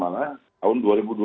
nah tahun dua ribu dua puluh lima